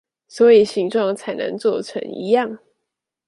所以形狀才能做成一樣